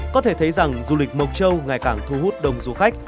có thể thấy rằng du lịch mộc châu ngày càng thu hút đông du khách